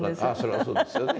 それはそうですよね。